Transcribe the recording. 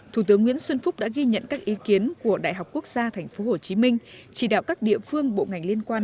thủ tướng nguyễn xuân phúc đã ghi nhận các ý kiến của đại học quốc gia tp hcm chỉ đạo các địa phương bộ ngành liên quan